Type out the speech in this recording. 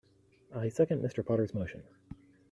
I second Mr. Potter's motion.